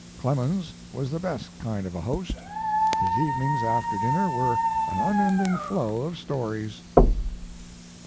Clemens was the best kind of a host; his evenings after dinner were an unending flow of stories."